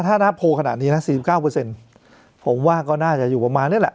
ถ้านับโพลขนาดนี้นะ๔๙ผมว่าก็น่าจะอยู่ประมาณนี้แหละ